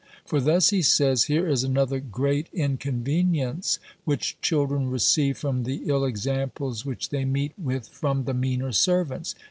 For thus he says, "Here is another great inconvenience, which children receive from the ill examples which they meet with from the meaner servants.